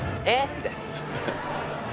みたいな。